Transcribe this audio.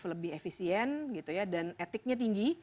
lebih efisien gitu ya dan etiknya tinggi